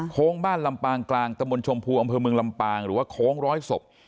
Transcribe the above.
บ้านลำปางกลางตะมนต์ชมพูอำเภอเมืองลำปางหรือว่าโค้งร้อยศพ